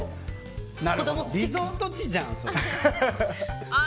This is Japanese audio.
リゾート地じゃん、それ。